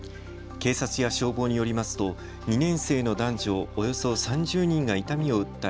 警察や消防によりますと２年生の男女およそ３０人が痛みを訴え